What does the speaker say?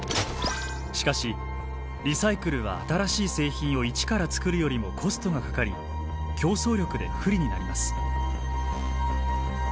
しかしリサイクルは新しい製品を一から作るよりもコストがかかり競争力で不利になります。